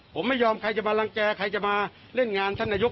ผมไม่ยอมใครจะมารังแก่ใครจะมาเล่นงานท่านนายก